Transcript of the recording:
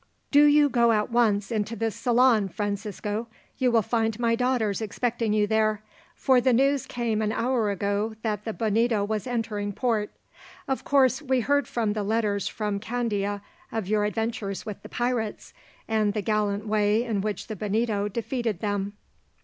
"Do you go at once into the salon, Francisco. You will find my daughters expecting you there, for the news came an hour ago that the Bonito was entering port. Of course, we heard from the letters from Candia of your adventures with the pirates, and the gallant way in which the Bonito defeated them.